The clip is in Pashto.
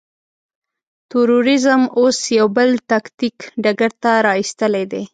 تروريزم اوس يو بل تاکتيک ډګر ته را اېستلی دی.